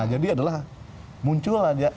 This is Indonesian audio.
jadi adalah muncul